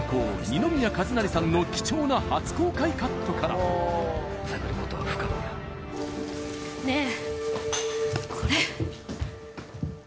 二宮和也さんの貴重な初公開カットから探ることは不可能だねえ